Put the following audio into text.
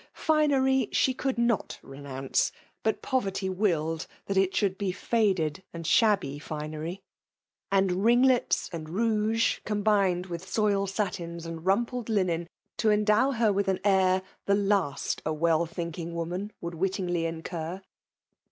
Finery ahe eeaid noi renounce ; but poverty willed that it Aaald be faded and shabby finery;— and 4d^ PEWAtB DOMlKAtlbN. ringlets and rouge combined with sofled satmi^ and rumpled linen^ to endow her with an air, the last a well thinking woman would wittingly incur.